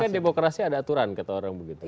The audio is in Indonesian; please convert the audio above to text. tapi kan demokrasi ada aturan kata orang begitu kan